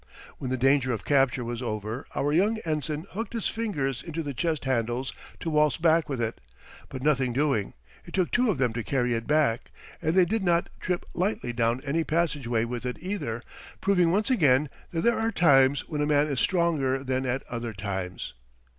When the danger of capture was over our young ensign hooked his fingers into the chest handles to waltz back with it. But nothing doing. It took two of them to carry it back, and they did not trip lightly down any passageway with it either, proving once again that there are times when a man is stronger than at other times.